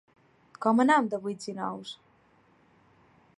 Com anem de vuits i nous?